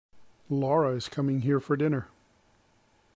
Lara is coming here for dinner.